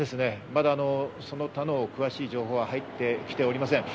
まだその他の詳しい情報は入ってきておりません。